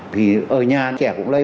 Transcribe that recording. thì ở nhà trẻ cũng lây